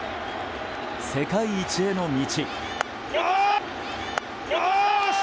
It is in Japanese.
世界一への道。